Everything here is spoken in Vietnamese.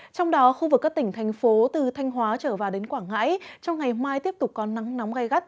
trong đó khu vực các tỉnh thành phố từ thanh hóa trở vào đến quảng ngãi trong ngày mai tiếp tục có nắng nóng gai gắt